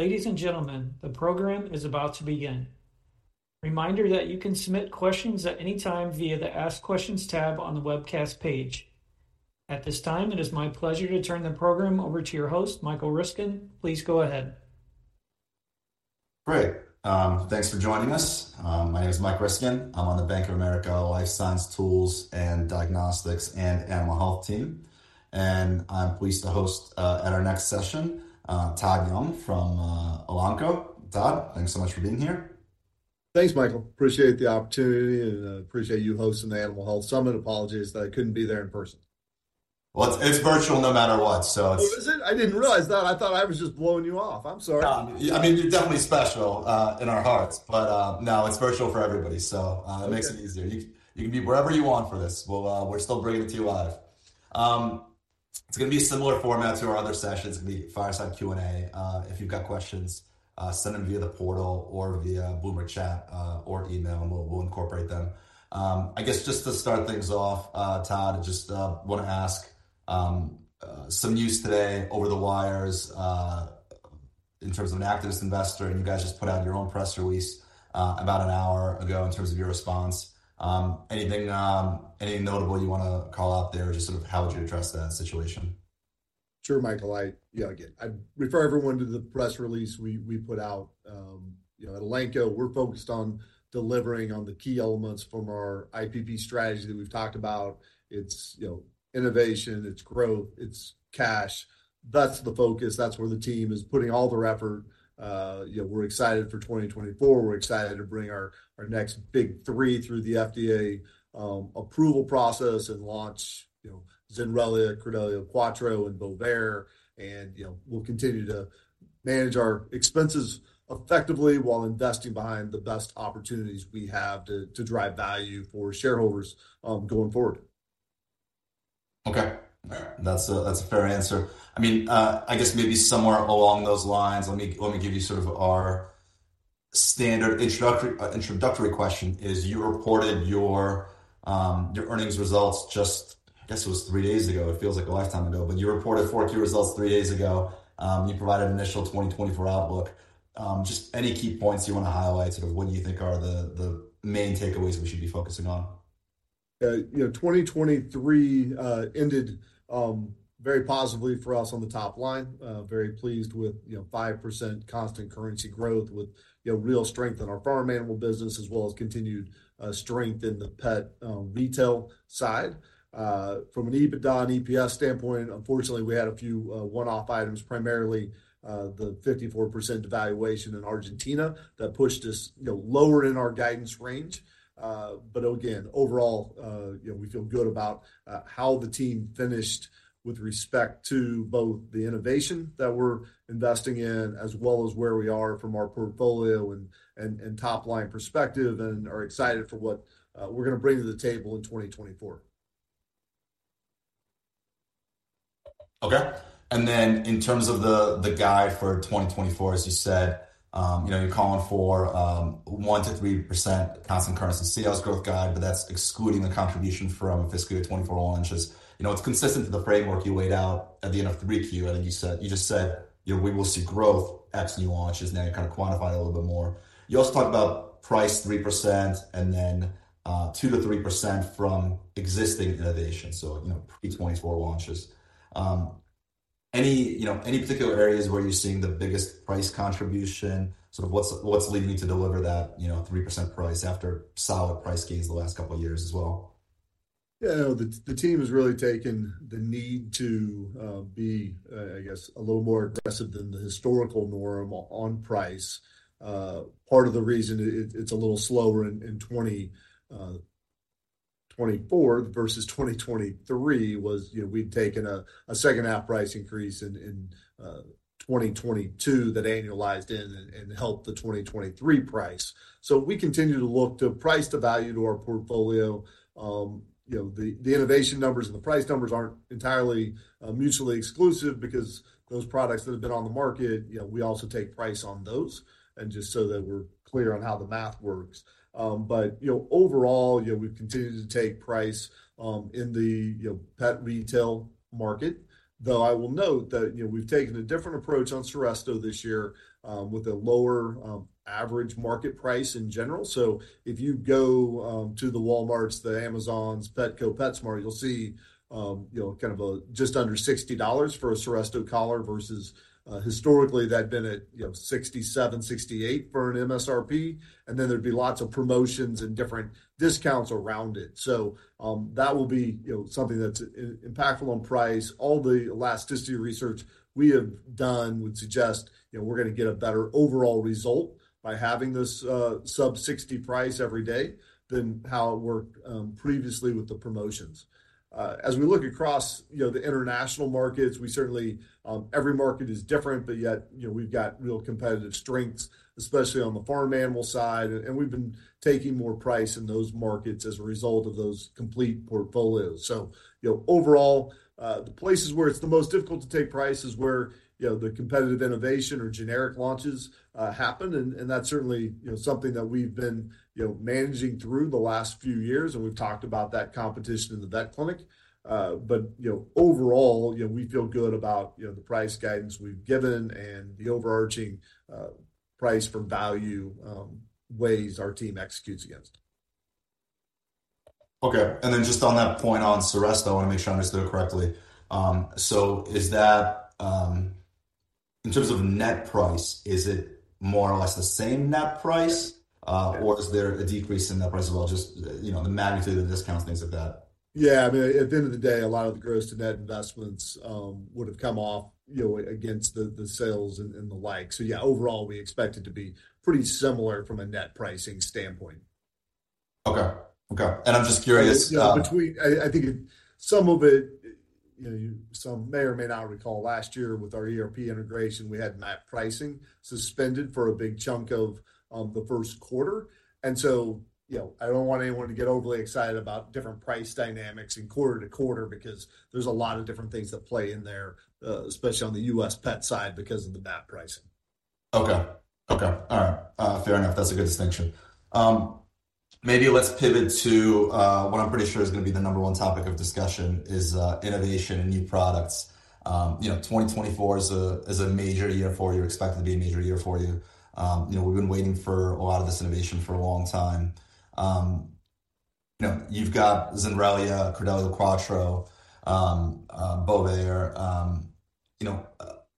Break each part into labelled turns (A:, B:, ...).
A: Ladies and gentlemen, the program is about to begin. Reminder that you can submit questions at any time via the Ask Questions tab on the webcast page. At this time, it is my pleasure to turn the program over to your host, Michael Ryskin. Please go ahead.
B: Great. Thanks for joining us. My name is Mike Ryskin. I'm on the Bank of America Life Science Tools and Diagnostics and Animal Health team, and I'm pleased to host at our next session: Todd Young from Elanco. Todd, thanks so much for being here.
C: Thanks, Michael. Appreciate the opportunity, and I appreciate you hosting the Animal Health Summit. Apologies that I couldn't be there in person.
B: Well, it's virtual no matter what, so it's.
C: Oh, is it? I didn't realize that. I thought I was just blowing you off. I'm sorry.
B: I mean, you're definitely special in our hearts, but no, it's virtual for everybody, so it makes it easier. You can be wherever you want for this. We're still bringing it to you live. It's going to be a similar format to our other sessions. It's going to be Fireside Q&A. If you've got questions, send them via the portal or via Bloomberg Chat or email, and we'll incorporate them. I guess just to start things off, Todd, I just want to ask some news today over the wires in terms of an activist investor, and you guys just put out your own press release about an hour ago in terms of your response. Anything notable you want to call out there, or just sort of how would you address that situation?
C: Sure, Michael. I refer everyone to the press release we put out. At Elanco, we're focused on delivering on the key elements from our IPP strategy that we've talked about. It's innovation, it's growth, it's cash. That's the focus. That's where the team is putting all their effort. We're excited for 2024. We're excited to bring our next big three through the FDA approval process and launch Zenrelia, Credelio Quattro, and Bovaer. And we'll continue to manage our expenses effectively while investing behind the best opportunities we have to drive value for shareholders going forward.
B: Okay. All right. That's a fair answer. I mean, I guess maybe somewhere along those lines, let me give you sort of our standard introductory question is you reported your earnings results just I guess it was three days ago. It feels like a lifetime ago, but you reported fourth quarter results three days ago. You provided an initial 2024 outlook. Just any key points you want to highlight, sort of what do you think are the main takeaways we should be focusing on?
C: Yeah. 2023 ended very positively for us on the top-line. Very pleased with 5% constant currency growth with real strength in our farm animal business as well as continued strength in the pet retail side. From an EBITDA and EPS standpoint, unfortunately, we had a few one-off items, primarily the 54% devaluation in Argentina that pushed us lower in our guidance range. But again, overall, we feel good about how the team finished with respect to both the innovation that we're investing in as well as where we are from our portfolio and top-line perspective, and are excited for what we're going to bring to the table in 2024.
B: Okay. And then in terms of the guide for 2024, as you said, you're calling for a 1%-3% constant currency sales growth guide, but that's excluding the contribution from fiscal year 2024 launches. It's consistent with the framework you laid out at the end of 3Q. And then you just said, "We will see growth excluding new launches." Now you kind of quantified it a little bit more. You also talked about price 3% and then 2%-3% from existing innovation, so pre-2024 launches. Any particular areas where you're seeing the biggest price contribution? Sort of what's leading you to deliver that 3% price after solid price gains the last couple of years as well?
C: Yeah. The team has really taken the need to be, I guess, a little more aggressive than the historical norm on price. Part of the reason it's a little slower in 2024 versus 2023 was we'd taken a second-half price increase in 2022 that annualized in and helped the 2023 price. So we continue to look to price to value to our portfolio. The innovation numbers and the price numbers aren't entirely mutually exclusive because those products that have been on the market, we also take price on those and just so that we're clear on how the math works. But overall, we've continued to take price in the pet retail market, though I will note that we've taken a different approach on Seresto this year with a lower average market price in general. So if you go to the Walmarts, the Amazons, Petco, PetSmart, you'll see kind of just under $60 for a Seresto collar versus historically, that'd been at $67, $68 for an MSRP. And then there'd be lots of promotions and different discounts around it. So that will be something that's impactful on price. All the elasticity research we have done would suggest we're going to get a better overall result by having this sub-$60 price every day than how it worked previously with the promotions. As we look across the international markets, we certainly, every market is different, but yet we've got real competitive strengths, especially on the farm animal side. And we've been taking more price in those markets as a result of those complete portfolios. So overall, the places where it's the most difficult to take price is where the competitive innovation or generic launches happen. That's certainly something that we've been managing through the last few years. We've talked about that competition in the vet clinic. But overall, we feel good about the price guidance we've given and the overarching price-for-value ways our team executes against.
B: Okay. And then just on that point on Seresto, I want to make sure I understood it correctly. So in terms of net price, is it more or less the same net price, or is there a decrease in net price as well? Just the magnitude of discounts, things like that.
C: Yeah. I mean, at the end of the day, a lot of the gross-to-net investments would have come off against the sales and the like. So yeah, overall, we expect it to be pretty similar from a net pricing standpoint.
B: Okay. Okay. And I'm just curious.
C: I think some may or may not recall. Last year, with our ERP integration, we had MAP pricing suspended for a big chunk of the first quarter. So I don't want anyone to get overly excited about different price dynamics and quarter to quarter because there's a lot of different things that play in there, especially on the U.S. pet side because of the MAP pricing.
B: Okay. Okay. All right. Fair enough. That's a good distinction. Maybe let's pivot to what I'm pretty sure is going to be the number one topic of discussion is innovation and new products. 2024 is a major year for you. Expected to be a major year for you. We've been waiting for a lot of this innovation for a long time. You've got Zenrelia, Credelio Quattro, Bovaer.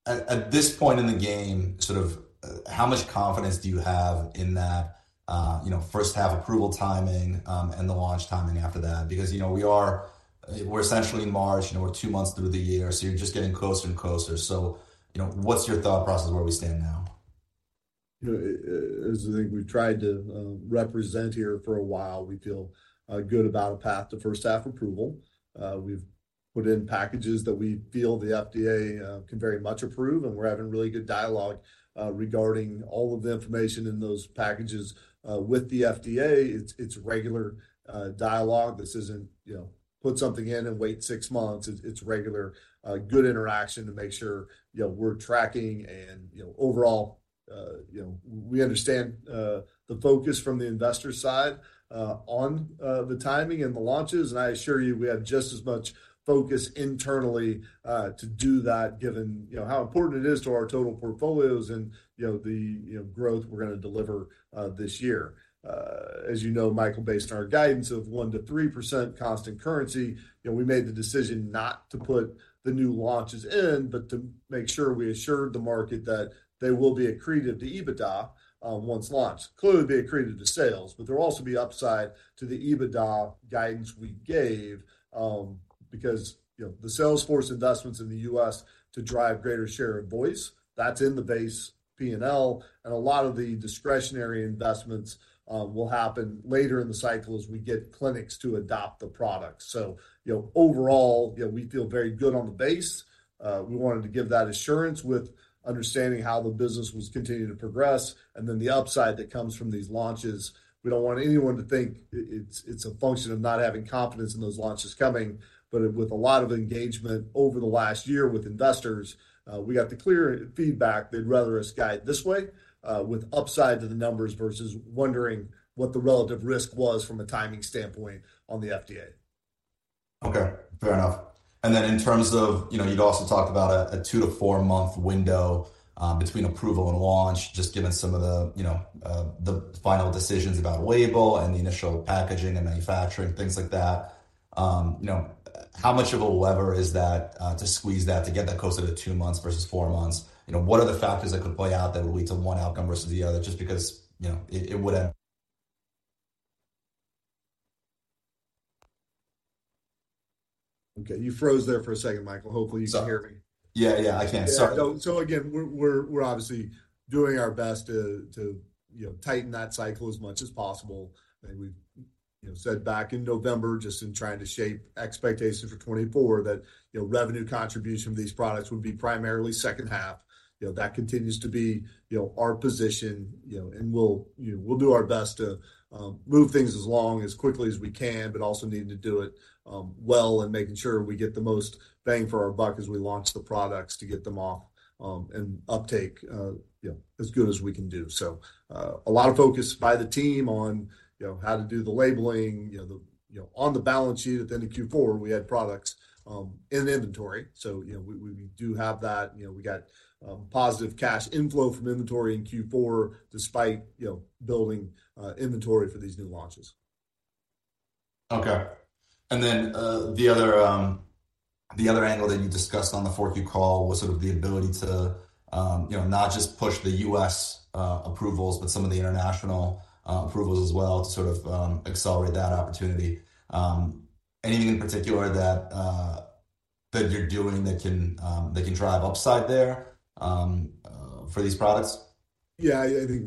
B: At this point in the game, sort of how much confidence do you have in that first-half approval timing and the launch timing after that? Because we're essentially in March. We're two months through the year, so you're just getting closer and closer. So what's your thought process where we stand now?
C: As I think we've tried to represent here for a while, we feel good about a path to first-half approval. We've put in packages that we feel the FDA can very much approve, and we're having really good dialogue regarding all of the information in those packages with the FDA. It's regular dialogue. This isn't put something in and wait six months. It's regular good interaction to make sure we're tracking. Overall, we understand the focus from the investor side on the timing and the launches. I assure you, we have just as much focus internally to do that given how important it is to our total portfolios and the growth we're going to deliver this year. As you know, Michael, based on our guidance of 1%-3% constant currency, we made the decision not to put the new launches in, but to make sure we assured the market that they will be accretive to EBITDA once launched. Clearly, they are accretive to sales, but there will also be upside to the EBITDA guidance we gave because the sales force investments in the U.S. to drive greater share of voice. That's in the base P&L. And a lot of the discretionary investments will happen later in the cycle as we get clinics to adopt the product. So overall, we feel very good on the base. We wanted to give that assurance with an understanding how the business was continuing to progress. And then the upside that comes from these launches, we don't want anyone to think it's a function of not having confidence in those launches coming. But with a lot of engagement over the last year with investors, we got the clear feedback they'd rather us guide this way with upside to the numbers versus wondering what the relative risk was from a timing standpoint on the FDA.
B: Okay. Fair enough. And then in terms of you'd also talked about a two- to four-month window between approval and launch, just given some of the final decisions about a label and the initial packaging and manufacturing, things like that. How much of a lever is that to squeeze that to get that closer to two months versus four months? What are the factors that could play out that would lead to one outcome versus the other just because it would end?
C: Okay. You froze there for a second, Michael. Hopefully, you can hear me.
B: Sorry. Yeah, yeah. I can. Sorry.
C: So again, we're obviously doing our best to tighten that cycle as much as possible. I think we've said back in November just in trying to shape expectations for 2024 that revenue contribution from these products would be primarily second-half. That continues to be our position, and we'll do our best to move things as long, as quickly as we can, but also need to do it well and making sure we get the most bang for our buck as we launch the products to get them off and uptake as good as we can do. So a lot of focus by the team on how to do the labeling. On the balance sheet at the end of Q4, we had products in inventory. So we do have that. We got positive cash inflow from inventory in Q4 despite building inventory for these new launches.
B: Okay. And then the other angle that you discussed on the fourth Q call was sort of the ability to not just push the U.S. approvals, but some of the international approvals as well to sort of accelerate that opportunity. Anything in particular that you're doing that can drive upside there for these products?
C: Yeah. I think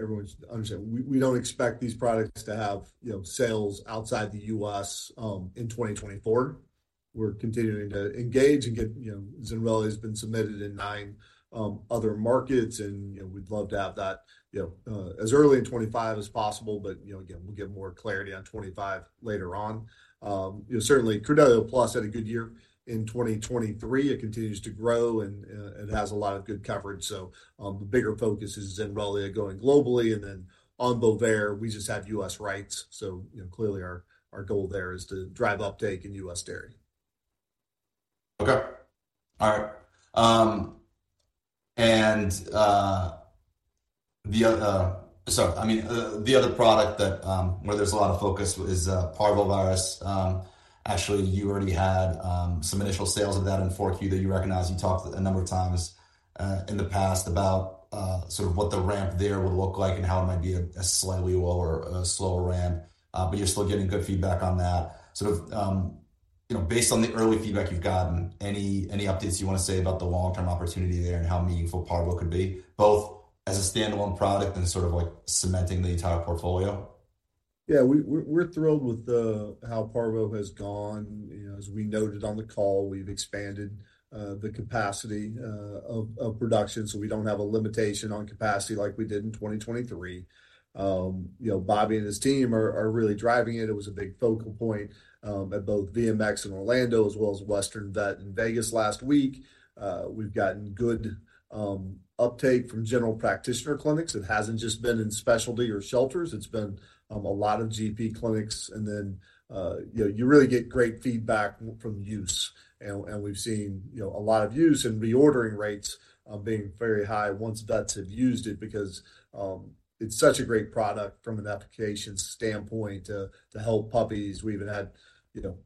C: everyone should understand. We don't expect these products to have sales outside the U.S. in 2024. We're continuing to engage and get Zenrelia has been submitted in nine other markets, and we'd love to have that as early in 2025 as possible. But again, we'll get more clarity on 2025 later on. Certainly, Credelio PLUS had a good year in 2023. It continues to grow, and it has a lot of good coverage. So the bigger focus is Zenrelia going globally. And then on Bovaer, we just have U.S. rights. So clearly, our goal there is to drive uptake in U.S. dairy.
B: Okay. All right. And sorry. I mean, the other product where there's a lot of focus is Canine Parvovirus Monoclonal Antibody.
C: Yeah. We're thrilled with how Canine Parvovirus Monoclonal Antibody has gone. We noted in the call we've expanded the capacity of production so we don't have a limitation on capacity like we did in 2023. Bobby and his team are really driving it. It was a big focal point at both VMX and Orlando as well as Western Vegas last week. We've got good uptake from general practitioner clinics. It hasn't just been in specialty or shelters, it's been on a lot of GP clinics. You really get great feedback from use. We've seen a lot of use and reordering rates being very high once it got used. Because it's such a great product from an application standpoint to help puppies. We even had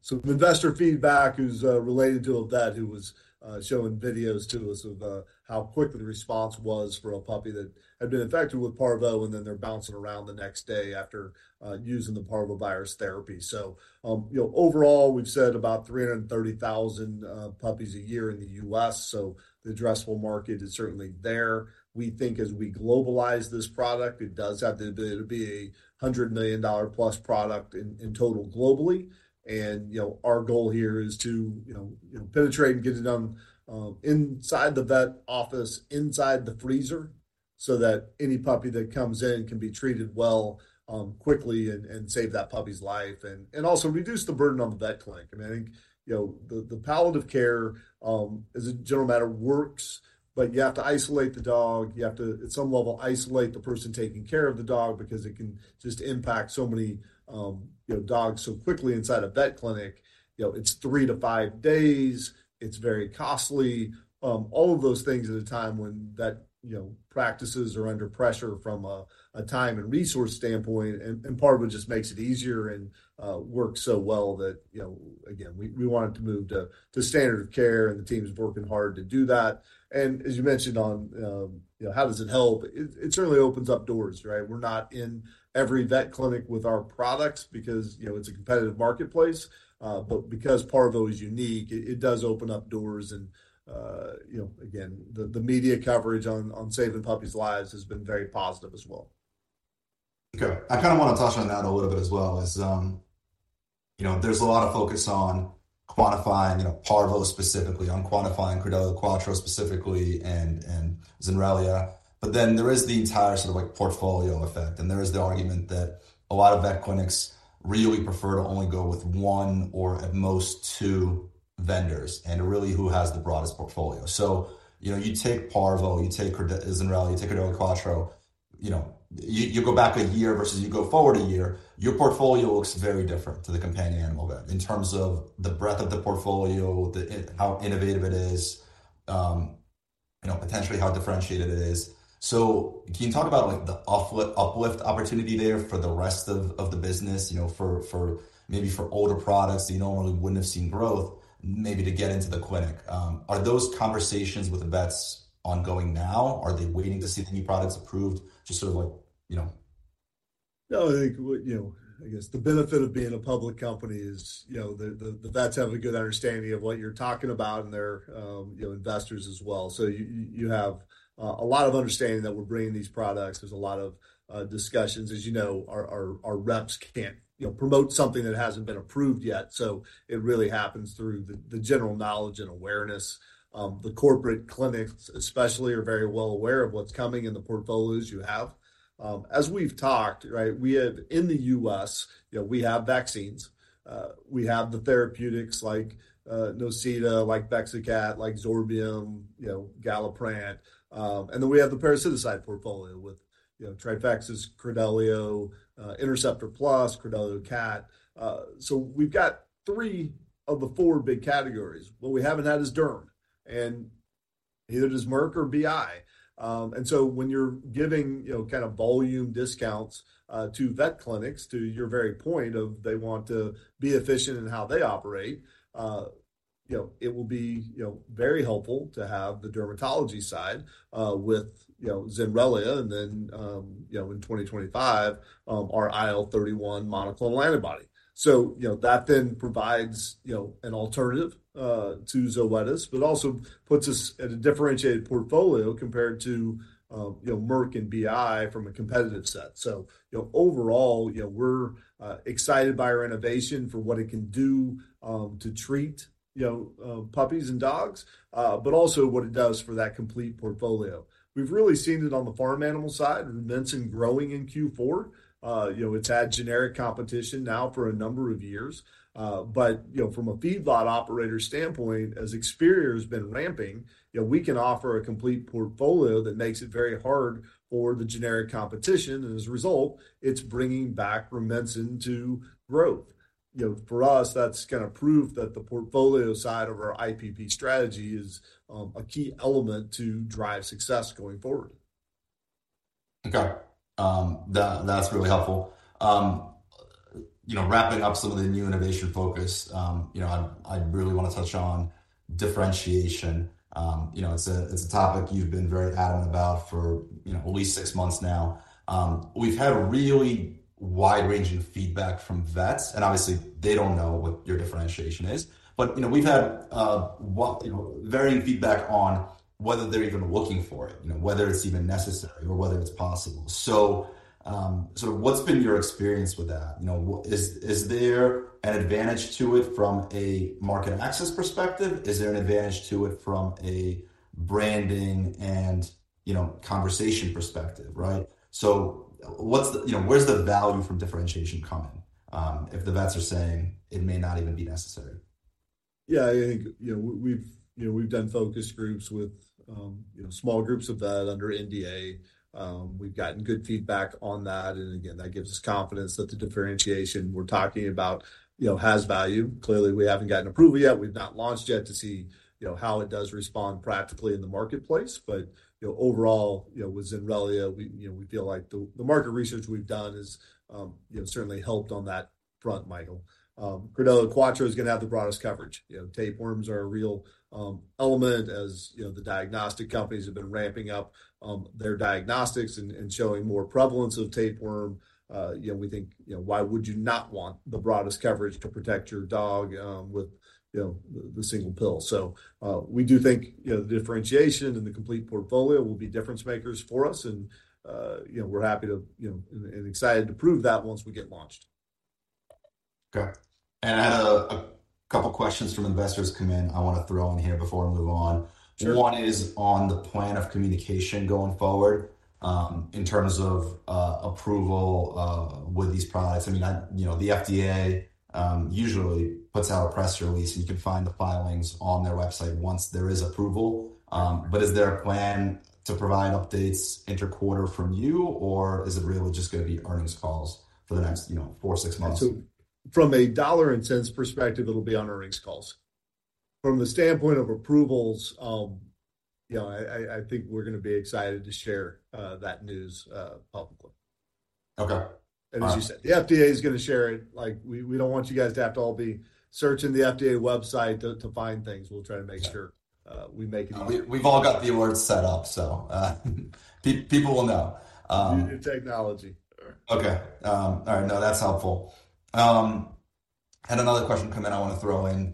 C: some investor feedback related to a vet who was showing videos to us of how quick the response was for a puppy that had been infected with parvo, and then they're bouncing around the next day after using the parvovirus therapy. So overall, we've said about 330,000 puppies a year in the U.S. So the addressable market is certainly there. We think as we globalize this product, it does have the ability to be a $100 million-plus product in total globally. And our goal here is to penetrate and get it done inside the vet office, inside the freezer so that any puppy that comes in can be treated well, quickly, and save that puppy's life and also reduce the burden on the vet clinic. I mean, I think the palliative care, as a general matter, works, but you have to isolate the dog. You have to, at some level, isolate the person taking care of the dog because it can just impact so many dogs so quickly inside a vet clinic. It's three to five days. It's very costly. All of those things at a time when practices are under pressure from a time and resource standpoint. Parvo just makes it easier and works so well that, again, we want it to move to standard of care, and the team's working hard to do that. As you mentioned on how does it help, it certainly opens up doors, right? We're not in every vet clinic with our products because it's a competitive marketplace. But because Parvo is unique, it does open up doors. And again, the media coverage on saving puppies' lives has been very positive as well.
B: Okay. I kind of want to touch on that a little bit as well. There's a lot of focus on quantifying Parvo specifically, on quantifying Credelio Quattro specifically, and Zenrelia. But then there is the entire sort of portfolio effect. And there is the argument that a lot of vet clinics really prefer to only go with one or at most two vendors and really who has the broadest portfolio. So you take Parvo, you take Zenrelia, you take Credelio Quattro. You go back a year versus you go forward a year, your portfolio looks very different to the companion animal vet in terms of the breadth of the portfolio, how innovative it is, potentially how differentiated it is. So, can you talk about the uplift opportunity there for the rest of the business, maybe for older products that you normally wouldn't have seen growth, maybe to get into the clinic? Are those conversations with vets ongoing now? Are they waiting to see the new products approved? Just sort of like.
C: No, I think, I guess, the benefit of being a public company is the vets have a good understanding of what you're talking about and their investors as well. So you have a lot of understanding that we're bringing these products. There's a lot of discussions. As you know, our reps can't promote something that hasn't been approved yet. So it really happens through the general knowledge and awareness. The corporate clinics, especially, are very well aware of what's coming in the portfolios you have. As we've talked, right, in the U.S., we have vaccines. We have the therapeutics like Nocita, like Bexacat, like Zorbium, Galliprant. And then we have the parasiticide portfolio with Trifexis, Credelio, Interceptor Plus, Credelio Cat. So we've got three of the four big categories. What we haven't had is Derm and either does Merck or BI. And so when you're giving kind of volume discounts to vet clinics, to your very point of they want to be efficient in how they operate, it will be very helpful to have the dermatology side with Zenrelia and then in 2025, our IL-31 monoclonal antibody. So that then provides an alternative to Zoetis, but also puts us at a differentiated portfolio compared to Merck and BI from a competitive set. So overall, we're excited by our innovation for what it can do to treat puppies and dogs, but also what it does for that complete portfolio. We've really seen it on the farm animal side. We've mentioned growing in Q4. It's had generic competition now for a number of years. But from a feedlot operator standpoint, as Experior has been ramping, we can offer a complete portfolio that makes it very hard for the generic competition. As a result, it's bringing back Rumensin into growth. For us, that's kind of proof that the portfolio side of our IPP Strategy is a key element to drive success going forward.
B: Okay. That's really helpful. Wrapping up some of the new innovation focus, I'd really want to touch on differentiation. It's a topic you've been very adamant about for at least six months now. We've had really wide-ranging feedback from vets. And obviously, they don't know what your differentiation is. But we've had varying feedback on whether they're even looking for it, whether it's even necessary or whether it's possible. So sort of what's been your experience with that? Is there an advantage to it from a market access perspective? Is there an advantage to it from a branding and conversation perspective, right? So where's the value from differentiation come in if the vets are saying it may not even be necessary?
C: Yeah. I think we've done focus groups with small groups of vet under NDA. We've gotten good feedback on that. And again, that gives us confidence that the differentiation we're talking about has value. Clearly, we haven't gotten approval yet. We've not launched yet to see how it does respond practically in the marketplace. But overall, with Zenrelia, we feel like the market research we've done has certainly helped on that front, Michael. Credelio Quattro is going to have the broadest coverage. Tapeworms are a real element as the diagnostic companies have been ramping up their diagnostics and showing more prevalence of tapeworm. We think, why would you not want the broadest coverage to protect your dog with the single pill? So we do think the differentiation and the complete portfolio will be difference makers for us. And we're happy and excited to prove that once we get launched.
B: Okay. I had a couple of questions from investors come in I want to throw in here before we move on. One is on the plan of communication going forward in terms of approval with these products. I mean, the FDA usually puts out a press release, and you can find the filings on their website once there is approval. But is there a plan to provide updates inter-quarter from you, or is it really just going to be earnings calls for the next four to six months?
C: From a dollar and cents perspective, it'll be on earnings calls. From the standpoint of approvals, I think we're going to be excited to share that news publicly. As you said, the FDA is going to share it. We don't want you guys to have to all be searching the FDA website to find things. We'll try to make sure we make it.
B: We've all got the alerts set up, so people will know.
C: New technology.
B: Okay. All right. No, that's helpful. I had another question come in I want to throw in.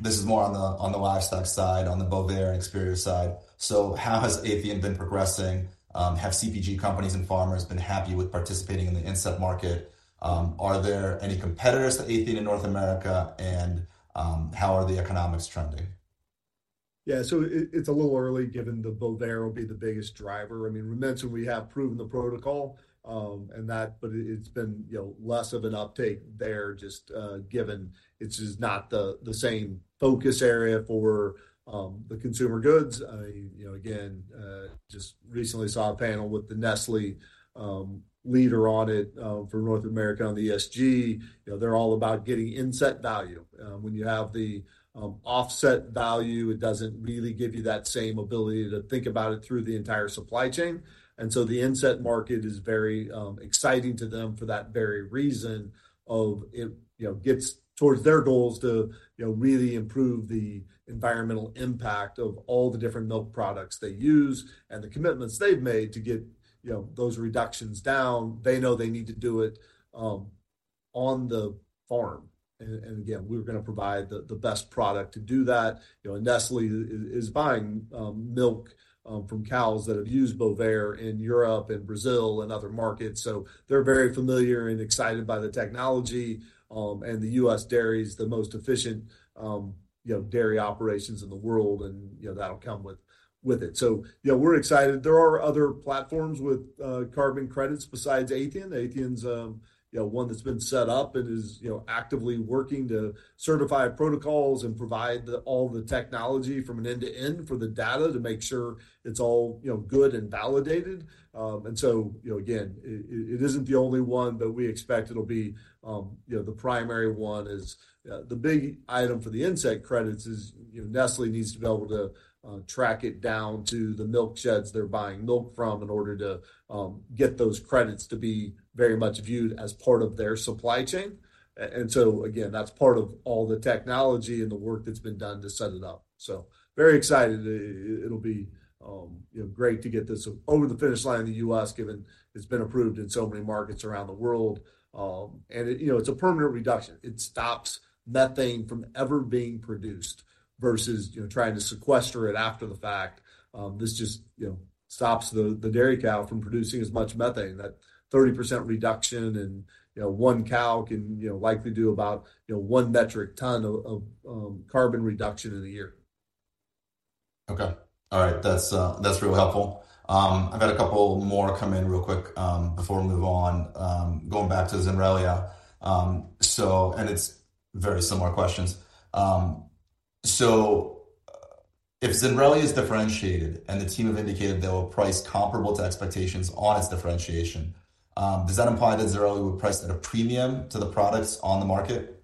B: This is more on the livestock side, on the Bovaer and Experior side. So how has Athian been progressing? Have CPG companies and farmers been happy with participating in the inset market? Are there any competitors to Athian in North America, and how are the economics trending?
C: Yeah. So it's a little early given the Bovaer will be the biggest driver. I mean, Rumensin, we have proven the protocol and that, but it's been less of an uptake there just given it's just not the same focus area for the consumer goods. Again, just recently saw a panel with the Nestlé leader on it for North America on the ESG. They're all about getting inset value. When you have the offset value, it doesn't really give you that same ability to think about it through the entire supply chain. And so the inset market is very exciting to them for that very reason of it gets towards their goals to really improve the environmental impact of all the different milk products they use and the commitments they've made to get those reductions down. They know they need to do it on the farm. And again, we're going to provide the best product to do that. Nestlé is buying milk from cows that have used Bovaer in Europe and Brazil and other markets. So they're very familiar and excited by the technology. And the U.S. dairy is the most efficient dairy operations in the world, and that'll come with it. So we're excited. There are other platforms with carbon credits besides Athian. Athian's one that's been set up and is actively working to certify protocols and provide all the technology from an end to end for the data to make sure it's all good and validated. And so again, it isn't the only one, but we expect it'll be the primary one that is the big item for the inset credits: Nestlé needs to be able to track it down to the milk sheds they're buying milk from in order to get those credits to be very much viewed as part of their supply chain. And so again, that's part of all the technology and the work that's been done to set it up. So very excited. It'll be great to get this over the finish line in the U.S. given it's been approved in so many markets around the world. And it's a permanent reduction. It stops methane from ever being produced versus trying to sequester it after the fact. This just stops the dairy cow from producing as much methane. That 30% reduction and 1 cow can likely do about 1 metric ton of carbon reduction in a year.
B: Okay. All right. That's really helpful. I've got a couple more come in real quick before we move on. Going back to Zenrelia, and it's very similar questions. So if Zenrelia is differentiated and the team have indicated they will price comparable to expectations on its differentiation, does that imply that Zenrelia would price at a premium to the products on the market?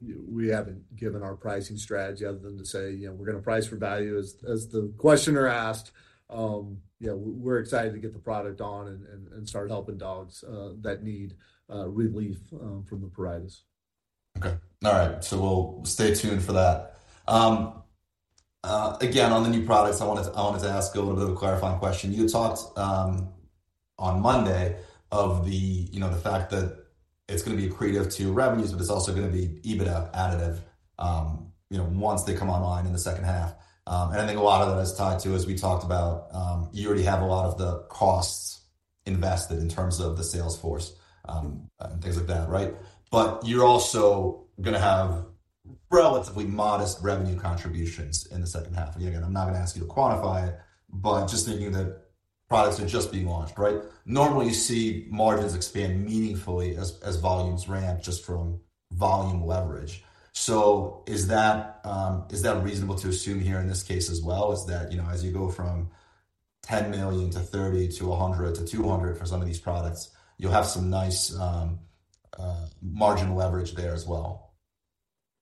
C: We haven't given our pricing strategy other than to say, "We're going to price per value," as the questioner asked. We're excited to get the product on and start helping dogs that need relief from the pruritus.
B: Okay. All right. So we'll stay tuned for that. Again, on the new products, I wanted to ask a little bit of a clarifying question. You had talked on Monday of the fact that it's going to be accretive to revenues, but it's also going to be EBITDA additive once they come online in the second half. And I think a lot of that is tied to, as we talked about, you already have a lot of the costs invested in terms of the sales force and things like that, right? But you're also going to have relatively modest revenue contributions in the second half. And again, I'm not going to ask you to quantify it, but just thinking that products are just being launched, right? Normally, you see margins expand meaningfully as volumes ramp just from volume leverage. So is that reasonable to assume here in this case as well? Is that as you go from $10 million to $30 million to $100 million to $200 million for some of these products, you'll have some nice margin leverage there as well?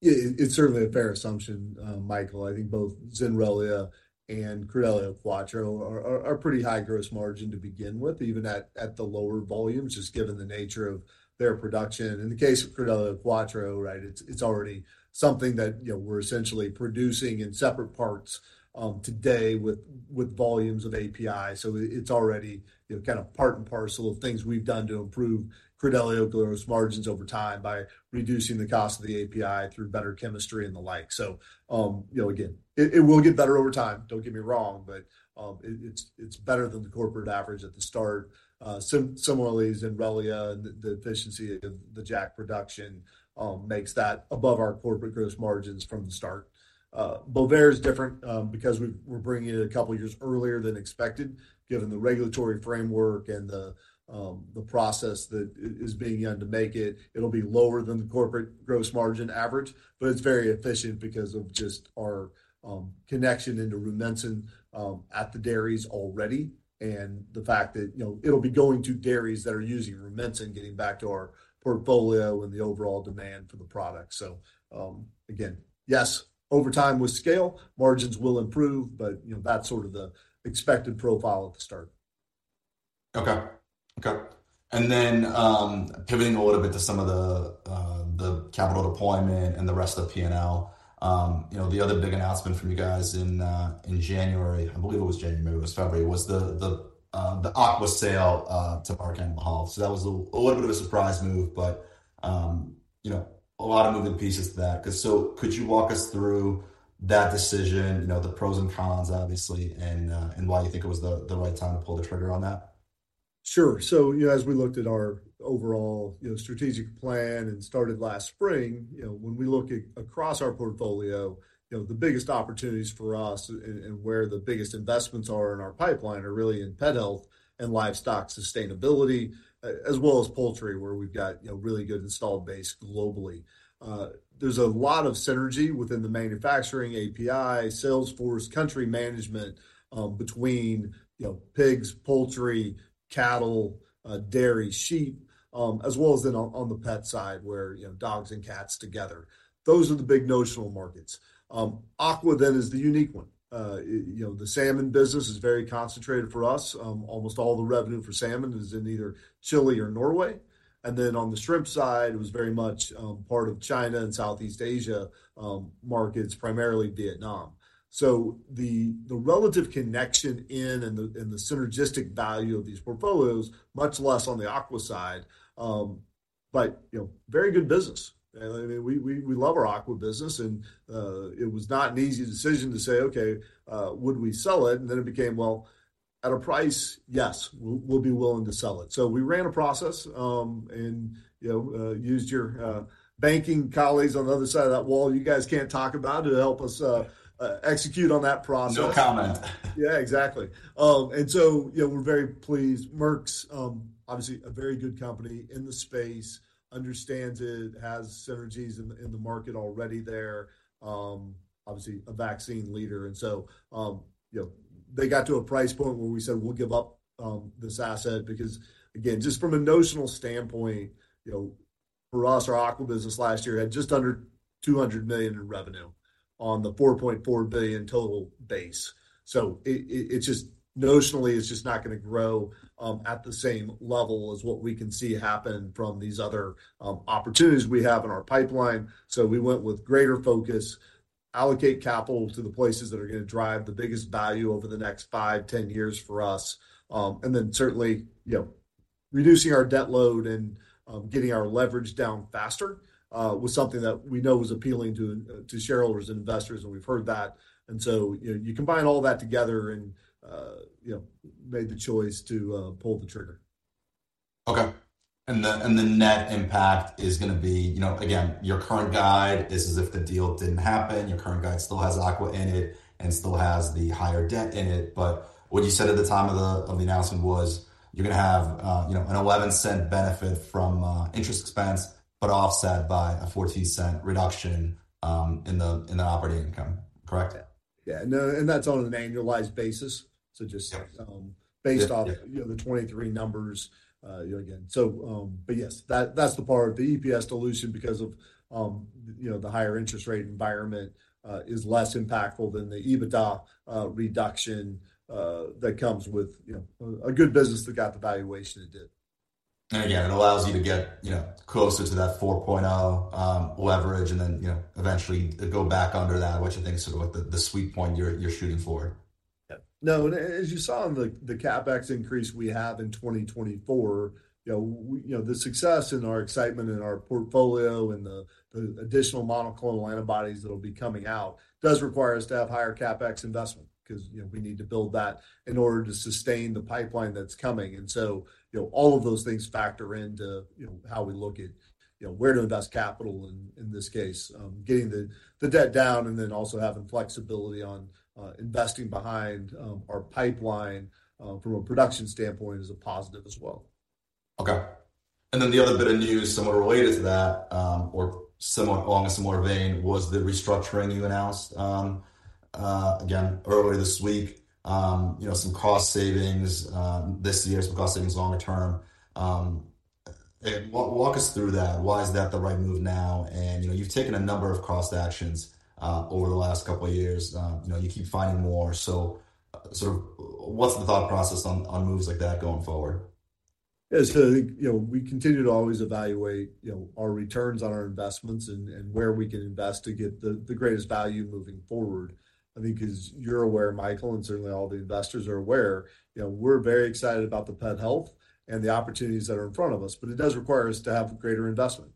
C: Yeah. It's certainly a fair assumption, Michael. I think both Zenrelia and Credelio Quattro are pretty high gross margin to begin with, even at the lower volumes, just given the nature of their production. In the case of Credelio Quattro, right, it's already something that we're essentially producing in separate parts today with volumes of API. So it's already kind of part and parcel of things we've done to improve Credelio gross margins over time by reducing the cost of the API through better chemistry and the like. So again, it will get better over time. Don't get me wrong, but it's better than the corporate average at the start. Similarly, Zenrelia and the efficiency of the JAK production makes that above our corporate gross margins from the start. Bovaer is different because we're bringing it a couple of years earlier than expected. Given the regulatory framework and the process that is being done to make it, it'll be lower than the corporate gross margin average. But it's very efficient because of just our connection into Rumensin at the dairies already and the fact that it'll be going to dairies that are using Rumensin and getting back to our portfolio and the overall demand for the product. So again, yes, over time with scale, margins will improve, but that's sort of the expected profile at the start.
B: Okay. Okay. And then pivoting a little bit to some of the capital deployment and the rest of the P&L, the other big announcement from you guys in January, I believe it was January, maybe it was February, was the Aqua sale to Merck Animal Health. So that was a little bit of a surprise move, but a lot of moving pieces to that. So could you walk us through that decision, the pros and cons, obviously, and why you think it was the right time to pull the trigger on that?
C: Sure. So as we looked at our overall strategic plan and started last spring, when we look across our portfolio, the biggest opportunities for us and where the biggest investments are in our pipeline are really in pet health and livestock sustainability, as well as poultry where we've got really good installed base globally. There's a lot of synergy within the manufacturing API, sales force, country management between pigs, poultry, cattle, dairy, sheep, as well as then on the pet side where dogs and cats together. Those are the big notional markets. Aqua then is the unique one. The salmon business is very concentrated for us. Almost all the revenue for salmon is in either Chile or Norway. And then on the shrimp side, it was very much part of China and Southeast Asia markets, primarily Vietnam. So the relative connection in and the synergistic value of these portfolios, much less on the Aqua side, but very good business. I mean, we love our Aqua business, and it was not an easy decision to say, "Okay, would we sell it?" And then it became, "Well, at a price, yes, we'll be willing to sell it." So we ran a process and used your banking colleagues on the other side of that wall you guys can't talk about to help us execute on that process.
B: No comment.
C: Yeah, exactly. And so we're very pleased. Merck's, obviously, a very good company in the space, understands it, has synergies in the market already there, obviously, a vaccine leader. And so they got to a price point where we said, "We'll give up this asset." Because again, just from a notional standpoint, for us, our Aqua business last year had just under $200 million in revenue on the $4.4 billion total base. So notionally, it's just not going to grow at the same level as what we can see happen from these other opportunities we have in our pipeline. We went with greater focus, allocate capital to the places that are going to drive the biggest value over the next five, 10 years for us, and then certainly reducing our debt load and getting our leverage down faster was something that we know was appealing to shareholders and investors, and we've heard that. So you combine all that together and made the choice to pull the trigger.
B: Okay. And the net impact is going to be, again, your current guide is as if the deal didn't happen. Your current guide still has Aqua in it and still has the higher debt in it. But what you said at the time of the announcement was you're going to have a $0.11 benefit from interest expense but offset by a $0.14 reduction in the operating income, correct?
C: Yeah. Yeah. And that's on an annualized basis. So just based off the 2023 numbers, again. But yes, that's the part. The EPS dilution because of the higher interest rate environment is less impactful than the EBITDA reduction that comes with a good business that got the valuation it did.
B: And again, it allows you to get closer to that 4.0x leverage and then eventually go back under that. What do you think is sort of the sweet point you're shooting for?
C: Yeah. No. And as you saw in the CapEx increase we have in 2024, the success in our excitement in our portfolio and the additional monoclonal antibodies that'll be coming out does require us to have higher CapEx investment because we need to build that in order to sustain the pipeline that's coming. And so all of those things factor into how we look at where to invest capital in this case. Getting the debt down and then also having flexibility on investing behind our pipeline from a production standpoint is a positive as well.
B: Okay. And then the other bit of news somewhat related to that or along a similar vein was the restructuring you announced, again, earlier this week, some cost savings this year, some cost savings longer term. Walk us through that. Why is that the right move now? And you've taken a number of cost actions over the last couple of years. You keep finding more. So sort of what's the thought process on moves like that going forward?
C: Yeah. So I think we continue to always evaluate our returns on our investments and where we can invest to get the greatest value moving forward. I think as you're aware, Michael, and certainly all the investors are aware, we're very excited about the pet health and the opportunities that are in front of us. But it does require us to have greater investment.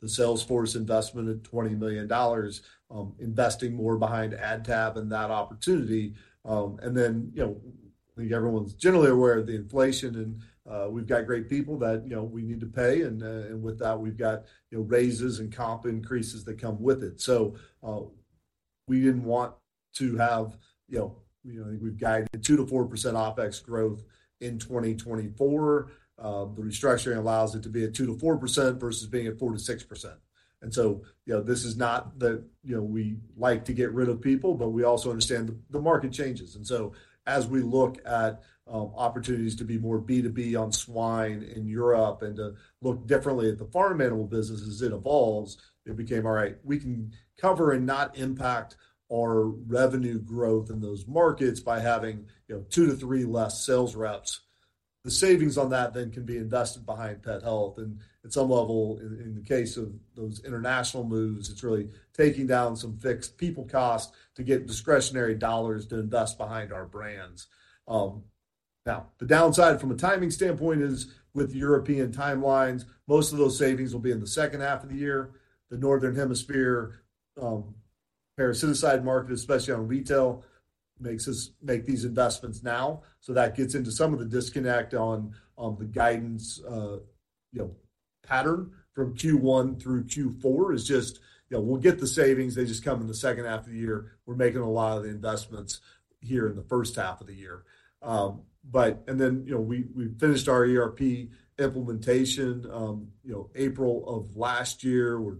C: The sales force investment at $20 million, investing more behind AdTab and that opportunity. And then I think everyone's generally aware of the inflation, and we've got great people that we need to pay. And with that, we've got raises and comp increases that come with it. So we didn't want to have. I think we've guided 2%-4% OpEx growth in 2024. The restructuring allows it to be at 2%-4% versus being at 4%-6%. This is not that we like to get rid of people, but we also understand the market changes. As we look at opportunities to be more B2B on swine in Europe and to look differently at the farm animal business as it evolves, it became, "All right, we can cover and not impact our revenue growth in those markets by having two to three less sales reps." The savings on that then can be invested behind pet health. At some level, in the case of those international moves, it's really taking down some fixed people cost to get discretionary dollars to invest behind our brands. Now, the downside from a timing standpoint is with European timelines, most of those savings will be in the second half of the year. The Northern Hemisphere parasiticide market, especially on retail, makes these investments now. So that gets into some of the disconnect on the guidance pattern from Q1 through Q4 is just we'll get the savings. They just come in the second half of the year. We're making a lot of the investments here in the first half of the year. And then we finished our ERP implementation April of last year. A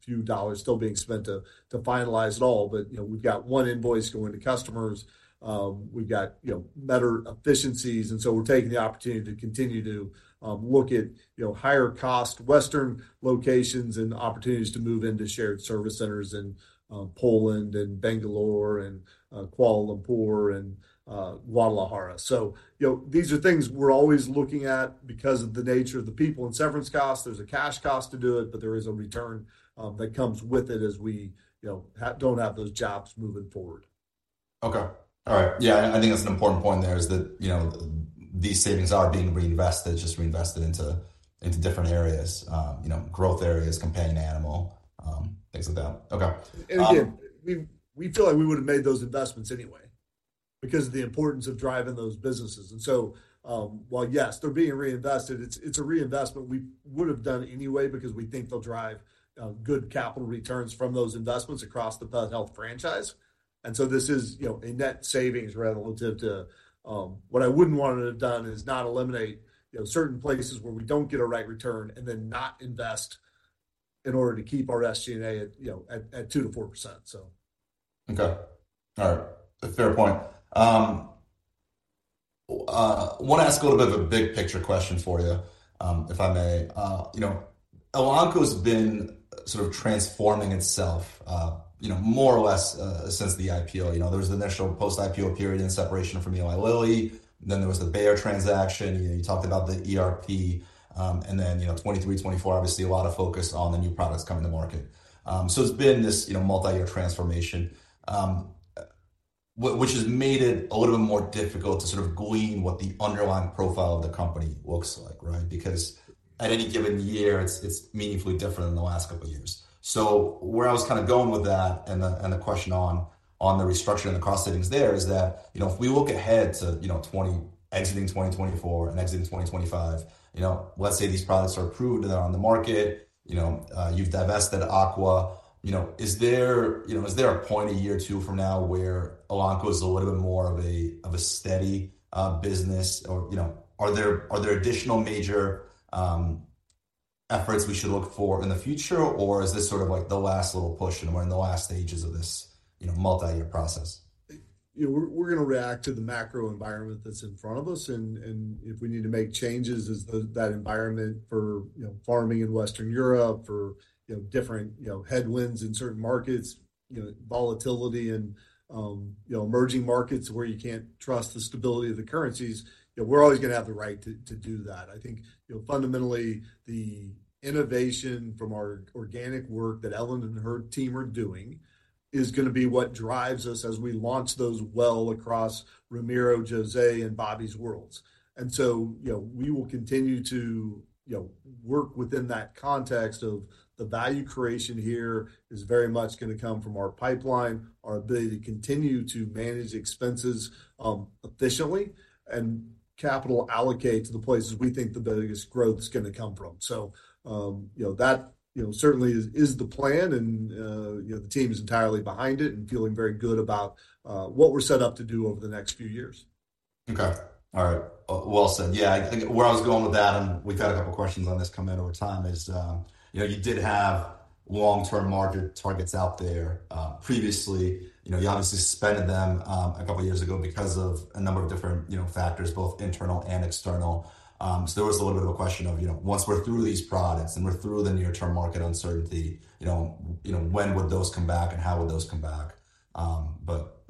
C: few dollars still being spent to finalize it all. But we've got one invoice going to customers. We've got better efficiencies. And so we're taking the opportunity to continue to look at higher-cost Western locations and opportunities to move into shared service centers in Poland and Bangalore and Kuala Lumpur and Guadalajara. So these are things we're always looking at because of the nature of the people and severance costs. There's a cash cost to do it, but there is a return that comes with it as we don't have those jobs moving forward.
B: Okay. All right. Yeah. I think that's an important point there is that these savings are being reinvested. It's just reinvested into different areas, growth areas, companion animal, things like that. Okay.
C: And again, we feel like we would have made those investments anyway because of the importance of driving those businesses. And so while yes, they're being reinvested, it's a reinvestment we would have done anyway because we think they'll drive good capital returns from those investments across the pet health franchise. And so this is a net savings relative to what I wouldn't want to have done is not eliminate certain places where we don't get a right return and then not invest in order to keep our SG&A at 2%-4%, so.
B: Okay. All right. Fair point. I want to ask a little bit of a big picture question for you, if I may. Elanco has been sort of transforming itself more or less since the IPO. There was the initial post-IPO period in separation from Eli Lilly. Then there was the Bayer transaction. You talked about the ERP. And then 2023, 2024, obviously, a lot of focus on the new products coming to market. So it's been this multi-year transformation, which has made it a little bit more difficult to sort of glean what the underlying profile of the company looks like, right, because at any given year, it's meaningfully different than the last couple of years. So where I was kind of going with that and the question on the restructuring and the cost savings there is that if we look ahead to exiting 2024 and exiting 2025, let's say these products are approved and they're on the market, you've divested Aqua, is there a point a year or two from now where Elanco is a little bit more of a steady business, or are there additional major efforts we should look for in the future, or is this sort of the last little push, and we're in the last stages of this multi-year process?
C: We're going to react to the macro environment that's in front of us. And if we need to make changes, is that environment for farming in Western Europe, for different headwinds in certain markets, volatility in emerging markets where you can't trust the stability of the currencies, we're always going to have the right to do that. I think fundamentally, the innovation from our organic work that Ellen and her team are doing is going to be what drives us as we launch those well across Ramiro, José, and Bobby's worlds. And so we will continue to work within that context of the value creation here is very much going to come from our pipeline, our ability to continue to manage expenses efficiently and capital allocate to the places we think the biggest growth is going to come from. So that certainly is the plan, and the team is entirely behind it and feeling very good about what we're set up to do over the next few years.
B: Okay. All right. Well said. Yeah. I think where I was going with that, and we've had a couple of questions on this come in over time, is you did have long-term market targets out there previously. You obviously suspended them a couple of years ago because of a number of different factors, both internal and external. So there was a little bit of a question of once we're through these products and we're through the near-term market uncertainty, when would those come back and how would those come back? But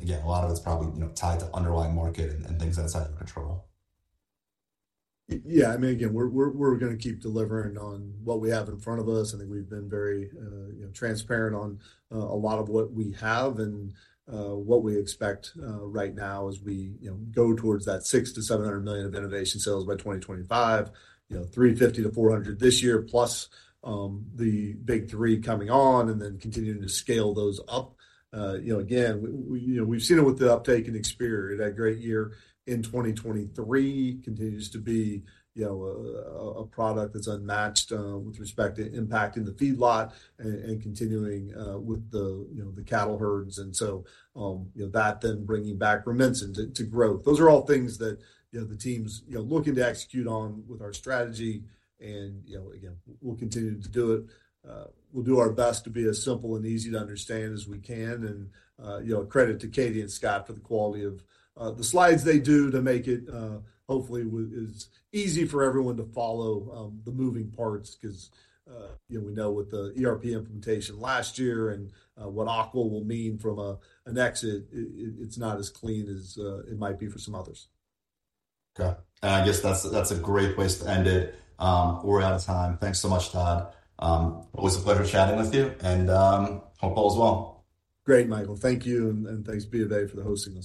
B: again, a lot of it's probably tied to underlying market and things outside of your control.
C: Yeah. I mean, again, we're going to keep delivering on what we have in front of us. I think we've been very transparent on a lot of what we have and what we expect right now as we go towards that $600 million-$700 million of innovation sales by 2025, $350 million-$400 million this year, plus the big three coming on and then continuing to scale those up. Again, we've seen it with the uptake in Experior. It had a great year in 2023. Continues to be a product that's unmatched with respect to impacting the feedlot and continuing with the cattle herds. And so that then bringing back Rumensin to growth. Those are all things that the team's looking to execute on with our strategy. And again, we'll continue to do it. We'll do our best to be as simple and easy to understand as we can. Credit to Katy and Scott for the quality of the slides they do to make it hopefully as easy for everyone to follow the moving parts because we know with the ERP implementation last year and what Aqua will mean from an exit, it's not as clean as it might be for some others.
B: Got it. I guess that's a great place to end it. We're out of time. Thanks so much, Todd. Always a pleasure chatting with you, and hope all is well.
C: Great, Michael. Thank you. Thanks, BofA, for the hosting of.